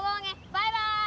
バイバイ！